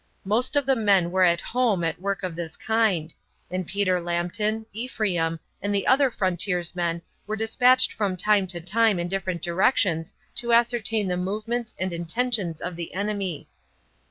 Most of the men were at home at work of this kind, and Peter Lambton, Ephraim, and the other frontiersmen were dispatched from time to time in different directions to ascertain the movements and intentions of the enemy.